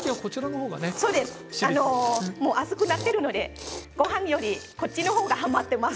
熱くなってるのでごはんよりこっちの方がはまっています。